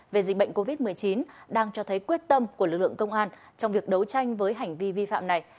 về dịch bệnh covid một mươi chín đang cho thấy quyết tâm của lực lượng công an trong việc đấu tranh với hành vi vi phạm này